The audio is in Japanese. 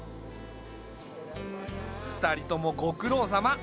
２人ともご苦労さま。